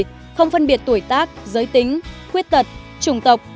mục tiêu một mươi không phân biệt tuổi tác giới tính khuyết tật trùng tộc